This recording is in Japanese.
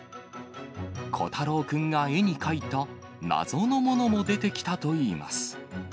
瑚太郎君が絵に描いた謎のものも出てきたといいます。